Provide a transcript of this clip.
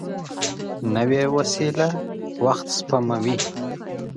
نوې وسېله وخت سپموي